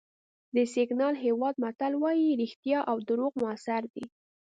د سینیګال هېواد متل وایي رښتیا او دروغ موثر دي.